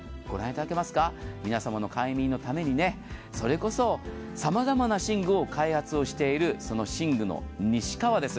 皆様の快眠のために、それこそさまざまな寝具を開発している寝具の西川です。